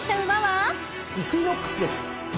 イクイノックスです。